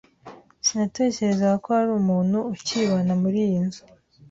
Sinatekerezaga ko hari umuntu ukibana muriyi nzu.